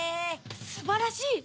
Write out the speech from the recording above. すばらしい！